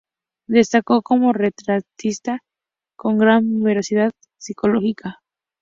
Destacó como retratista, con gran veracidad psicológica.